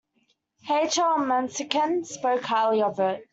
H. L. Mencken spoke highly of it.